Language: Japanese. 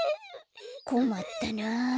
こまったな。